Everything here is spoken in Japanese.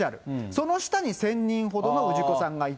その下に１０００人ほどの氏子さんがいて。